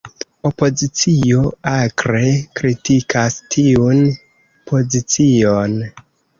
Opozicio akre kritikas tiun pozicion.